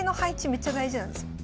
めっちゃ大事なんですよ。